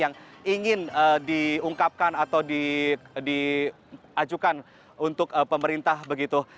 yang ingin diungkapkan atau diajukan untuk pemerintah begitu